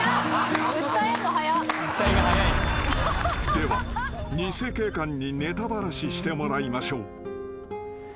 ［では偽警官にネタバラシしてもらいましょう］